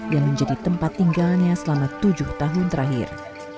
yang menjadi tempat tinggalnya selama tujuh tahun terakhir